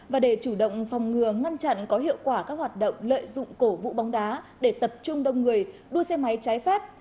và để chủ động phòng ngừa ngăn chặn có hiệu quả các hoạt động lợi dụng cổ vũ bóng đá để tập trung đông người đua xe máy trái phép